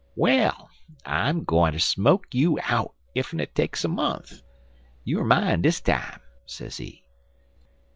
'Well, I'm gwineter smoke you out, ef it takes a mont'. You er mine dis time,' sezee.